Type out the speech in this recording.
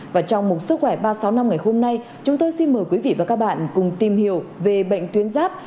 và trong một sức khỏe ba sáu năm ngày hôm nay chúng tôi xin mời quý vị và các bạn cùng tìm hiểu về bệnh tuyến giáp